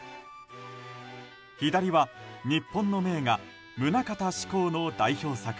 左は日本の名画棟方志功の代表作